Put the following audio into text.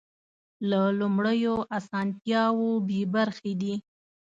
له لومړیو اسانتیاوو بې برخې دي.